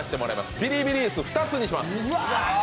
ビリビリ椅子、２つにします。